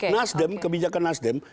nasdem kebijakan nasdem